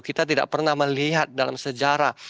kita tidak pernah melihat dalam sejarah